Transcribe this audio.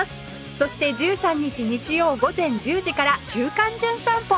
そして１３日日曜午前１０時から『週刊！じゅん散歩』